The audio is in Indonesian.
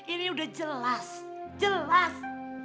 ini udah jelas jelas